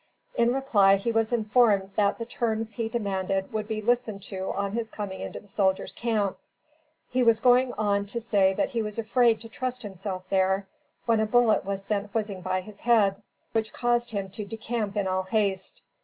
In reply, he was informed that the terms he demanded would be listened to on his coming into the soldiers' camp. He was going on to say that he was afraid to trust himself there, when a bullet was sent whizzing by his head, which caused him to decamp in all haste.